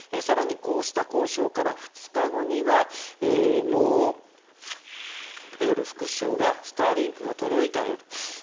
更にこうした交渉から２日後にはもうフェドロフ副首相がスターリンクが届いたよ